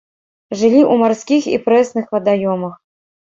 Жылі ў марскіх і прэсных вадаёмах.